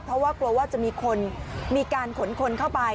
เพราะว่ากลัวว่าจะมีการขนคนเข้าไป